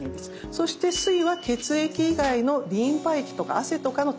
そして「水」は血液以外のリンパ液とか汗とかの体液を意味します。